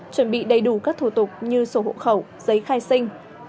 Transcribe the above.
chuẩn bị đầy đủ các thủ tục như sổ hộ khẩu giấy khai sinh